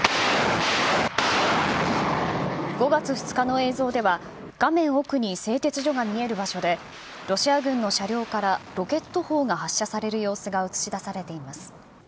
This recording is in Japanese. ５月２日の映像では、画面奥に製鉄所が見える場所で、ロシア軍の車両からロケット砲が発射される様子が写し出されています。